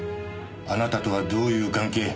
あなたとはどういう関係？